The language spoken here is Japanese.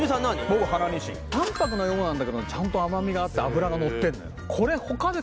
僕春にしん淡泊のようなんだけどちゃんと甘みがあって脂がのってんのよ